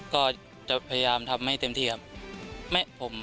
ก็จะพยายามทำให้เต็มที่ครับ